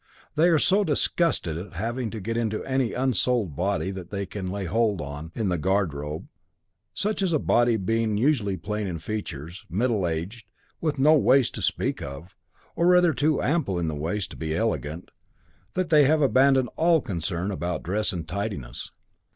They are so disgusted at having to get into any unsouled body that they can lay hold of in the garde robe, such a body being usually plain in features, middle aged, and with no waist to speak of, or rather too ample in the waist to be elegant, that they have abandoned all concern about dress and tidiness.